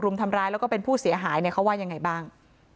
ทำร้ายแล้วก็เป็นผู้เสียหายเนี่ยเขาว่ายังไงบ้าง